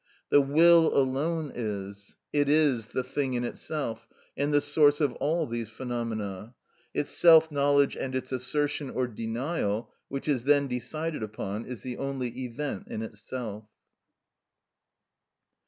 The will alone is; it is the thing in itself, and the source of all these phenomena. Its self knowledge and its assertion or denial, which is then decided upon, is the only event in itself."